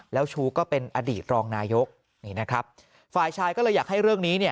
แล้วชู้ก็เป็นอดีตรองนายกนี่นะครับฝ่ายชายก็เลยอยากให้เรื่องนี้เนี่ย